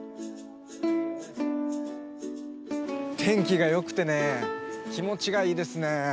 天気がよくてね気持ちがいいですね。